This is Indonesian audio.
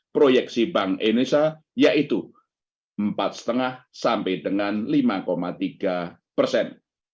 proyeksi bank indonesia yaitu empat lima sampai dengan lima tiga persen